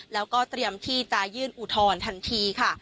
แล้วก็เตรียมที่จะยื่นอุทธรณ์ทันทีค่ะ